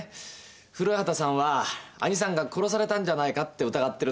古畑さんは兄さんが「殺されたんじゃないか」って疑ってるんですよ。